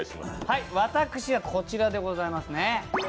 私はこちらでございますね。